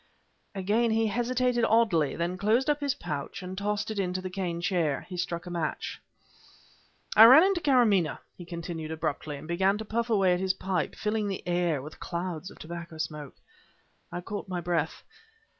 Again he hesitated oddly; then closed up his pouch and tossed it into the cane chair. He struck a match. "I ran into Karamaneh," he continued abruptly, and began to puff away at his pipe, filling the air with clouds of tobacco smoke. I caught my breath.